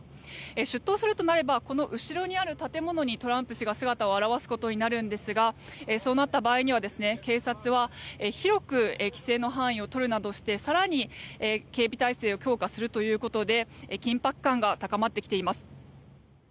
出頭するとなればこの後ろにある建物にトランプ氏が姿を現すことになるんですがそうなった場合には、警察は広く規制の範囲を取るなどして更に警備態勢を強化するということで緊迫感が高まってきています。